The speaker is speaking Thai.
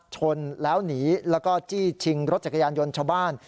ชนแล้วหนีแล้วก็จี้ชิงรถจักรยานยนต์ชาวบ้าน